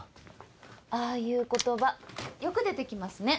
ああいう言葉よく出て来ますね。